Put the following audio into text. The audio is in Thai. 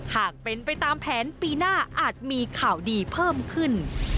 หากเป็นไปตามแผนปีหน้าอาจมีข่าวดีเพิ่มขึ้น